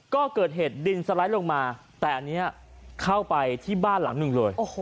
ก็เกิดเหตุดินสไลด์ลงมาแต่อันนี้เข้าไปที่บ้านหลังหนึ่งเลย